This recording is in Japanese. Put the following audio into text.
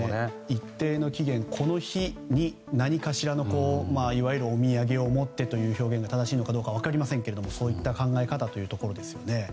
一定の期限、この日に何かしらのいわゆるお土産をもってという表現が正しいのかどうか分かりませんけれどもそういった考え方ですよね。